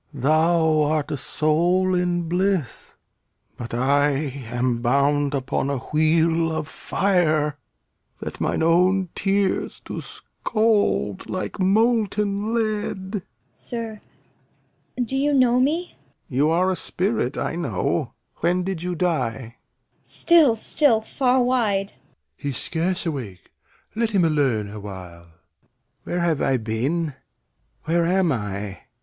Thou art a soul in bliss; but I am bound Upon a wheel of fire, that mine own tears Do scald like molten lead. Cor. Sir, do you know me? Lear. You are a spirit, I know. When did you die? Cor. Still, still, far wide! Doct. He's scarce awake. Let him alone awhile. Lear. Where have I been? Where am I?